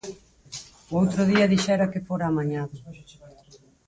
O outro día dixera que fora amañado